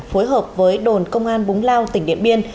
phối hợp với đồn công an búng lao tỉnh điện biên